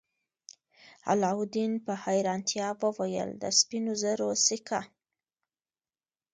علاوالدین په حیرانتیا وویل د سپینو زرو سکه.